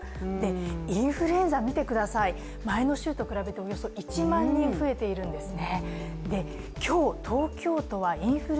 インフル見てください、前の週と比べておよそ１万人増えているんですね。